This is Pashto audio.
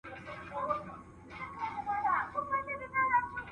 د ادارې اهدافو سره سم کړنې د موقف ټینګښت زیاتوي.